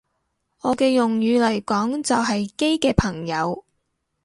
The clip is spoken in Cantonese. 我嘅用語嚟講就係基嘅朋友